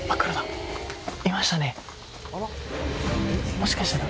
もしかしたら。